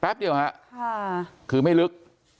แป๊บเดียวครับคือไม่ลึก